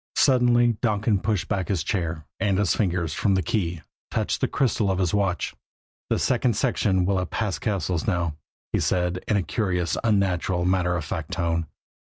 Suddenly Donkin pushed back his chair; and his fingers, from the key, touched the crystal of his watch. "The second section will have passed Cassil's now," he said in a curious, unnatural, matter of fact tone.